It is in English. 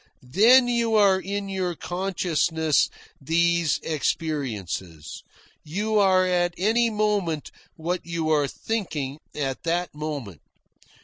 Then you are in your consciousness these experiences. You are at any moment what you are thinking at that moment.